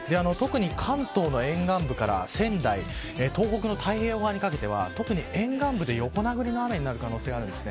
関東の沿岸部から仙台東北の太平洋側にかけて特に沿岸部で横殴りの雨になる可能性があります。